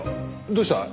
どうした？